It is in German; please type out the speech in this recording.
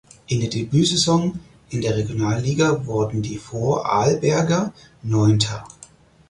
In der Debütsaison in der Regionalliga wurden die Vorarlberger Neunter.